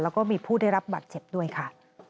แล้วก็มีผู้ได้รับบัตรเจ็บด้วยค่ะ